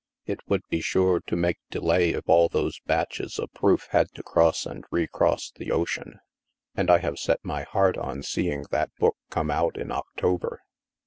It would be sure to make delay if all those batches of proof had to cross and re cross the ocean. And I have set my heart on seeing that book come out in October.